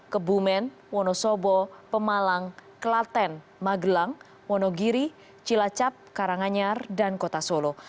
kebumen wonosobo pemalang kelaten magelang wonogiri cilacap karanganyar dan kota solo